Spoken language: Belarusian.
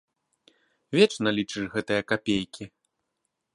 Вечна лічыш гэтыя капейкі!